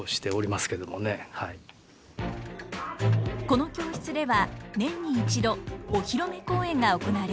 この教室では年に一度お披露目公演が行われます。